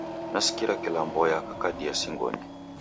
Nasikira kilambo yakakadia singonyi